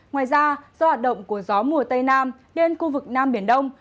ngoài ra do hạt động của gió mùa tây nam đến khu vực nam biển đông